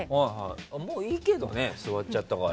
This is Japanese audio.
もういいけどね、座ったから。